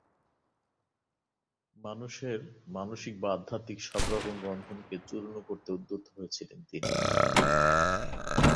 মানুষের মানসিক বা আধ্যাত্মিক সব রকম বন্ধনকে চূর্ণ করতে উদ্যত হয়েছিলেন তিনি।